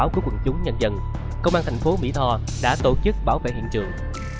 công an thành phố mỹ tho đã tổ chức bảo vệ hiện trường